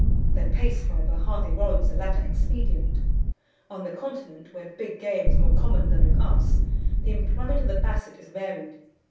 Their pace, however, hardly warrants the latter expedient. On the Continent, where big game is more common than with us, the employment of the Basset is varied.